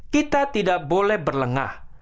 kita tidak boleh berlengah